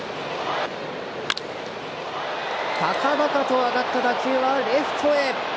高々と上がった打球はレフトへ。